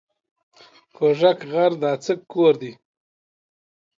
کوږک غر د اڅک کور دی